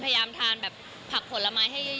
พยายามทานแบบผักผลไม้ให้เยอะใช่